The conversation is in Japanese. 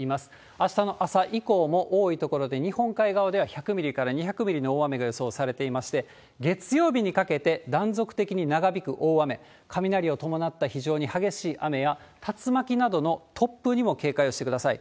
あしたの朝以降も、多い所で、日本海側では１００ミリから２００ミリの大雨が予想されていまして、月曜日にかけて断続的に長引く大雨、雷を伴った非常に激しい雨や、竜巻などの突風にも警戒をしてください。